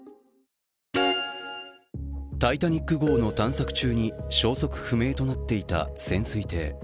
「タイタニック」号の探索中に、消息不明となっていた潜水艇。